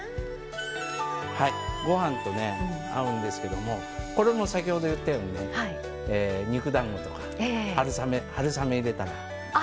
ご飯と合うんですけどもこれも先ほど言ったようにね肉だんごとか春雨入れたらアップですね。